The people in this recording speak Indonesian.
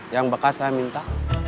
yang bekas saya minta